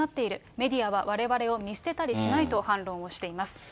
メディアはわれわれを見捨てたりしないと反論をしています。